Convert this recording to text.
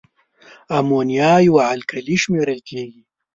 امونیا یوه القلي شمیرل کیږي.